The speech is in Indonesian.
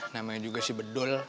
namanya juga si bedul